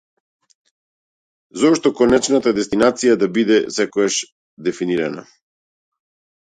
Зошто конечната дестинација да биде секогаш дефинирана?